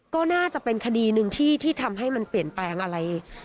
ก็น่าจะเป็นคดีหนึ่งที่ทำให้มันเปลี่ยนแปลงอะไร